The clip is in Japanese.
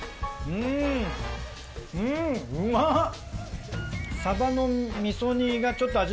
うんうまっ！